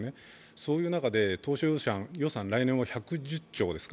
そういう中で当初予算、来年は１１０兆ですか。